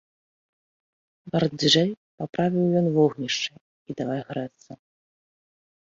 Барзджэй паправіў ён вогнішча і давай грэцца.